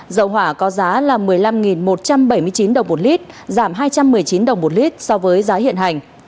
dầu hỏa có giá một mươi năm một trăm bảy mươi chín đồng một lit giảm hai trăm một mươi chín đồng một lit so với giá hiện hành